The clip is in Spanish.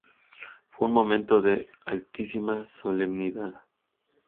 Fue un momento de altísima solemnidad.